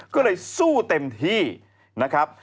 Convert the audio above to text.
ก็เลยสู้เต็มที่นะครับ